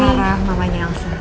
sarah mamanya elsa